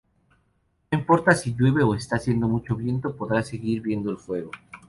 No importa si llueve o está haciendo mucho viento, podrás seguir viendo el fuego.